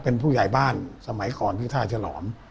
เป็นผู้ใหญ่บ้านสมัยก่อนที่ท่าฉลอม